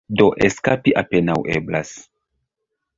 Do, eskapi apenaŭ eblas.